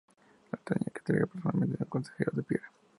Lo tenía que entregar personalmente un consejero de Piera.